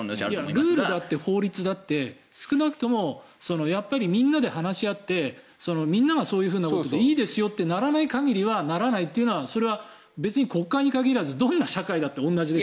ルールだって法律だって少なくともみんなで話し合ってみんながそういうのでいいですよとならない限りはならないというのは別に国会に限らずどんな社会だって同じでしょ。